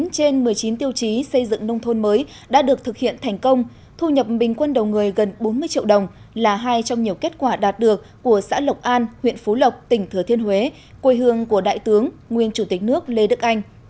một mươi trên một mươi chín tiêu chí xây dựng nông thôn mới đã được thực hiện thành công thu nhập bình quân đầu người gần bốn mươi triệu đồng là hai trong nhiều kết quả đạt được của xã lộc an huyện phú lộc tỉnh thừa thiên huế quê hương của đại tướng nguyên chủ tịch nước lê đức anh